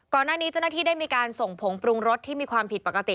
ก่อนหน้านี้เจ้าหน้าที่ได้มีการส่งผงปรุงรสที่มีความผิดปกติ